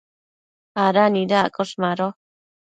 ¿ada nidaccosh? Mado